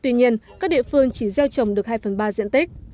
tuy nhiên các địa phương chỉ gieo trồng được hai phần ba diện tích